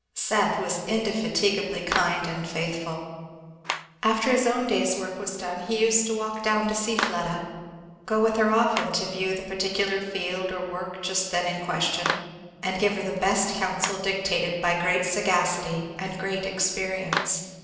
Seth was indefatigably kind and faithful. After his own day's work was done he used to walk down to see Fleda, go with her often to view the particular field or work just then in question, and give her the best counsel dictated by great sagacity and great experience.